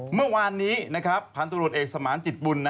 เมื่อวานนี้นะครับพันธุรกิจสมานจิตบุญ